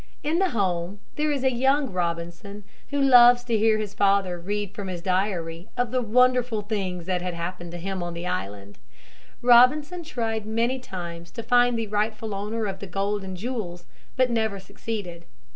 In the home there is a young Robinson who loves to hear his father read from his diary of the wonderful things that happened on the island. Robinson tried many times to find the rightful owner of the gold and jewels, but never succeeded.